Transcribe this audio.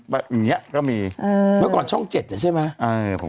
แบบอย่างเงี้ยก็มีเออเมื่อก่อนช่องเจ็ดเนี้ยใช่ไหมเออ